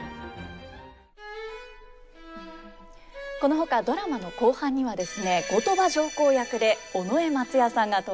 このほかドラマの後半にはですね後鳥羽上皇役で尾上松也さんが登場します。